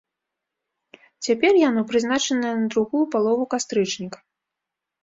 Цяпер яно прызначанае на другую палову кастрычніка.